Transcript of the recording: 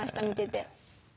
見てて。